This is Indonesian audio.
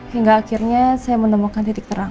hingga akhirnya saya menemukan titik terang